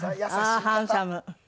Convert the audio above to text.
ああーハンサム。